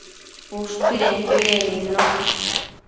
ushtuidenquio yec nidnu